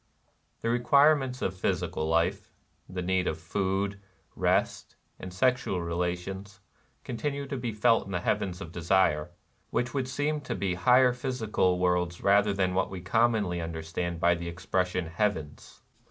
The requirements of physical life — the need of food, rest, and sexual relations — continue to be felt in the Heavens of Desire, — which would seem to be higher physical worlds rather than what we commonly under stand by the expression "heavens."